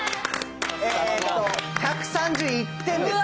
えと１３１点です。